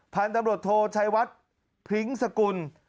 พันธุ์ตำรวจโทชัยวัดพริ้งสกุล